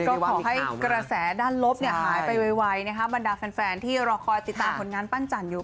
ก็ขอให้กระแสด้านลบหายไปไวนะคะบรรดาแฟนที่รอคอยติดตามผลงานปั้นจันทร์อยู่